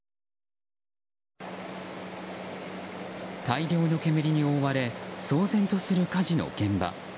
大量の煙に覆われ騒然とする火事の現場。